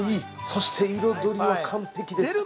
そして、彩りは完璧です。